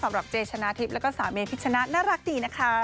สำหรับเจชนะทิพย์แล้วก็สาวเมพิชนะน่ารักดีนะคะ